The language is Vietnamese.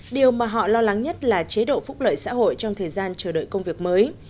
điều mà họ lo lắng nhất là chế độ phúc lợi xã hội trong thời gian chờ đợi công việc mới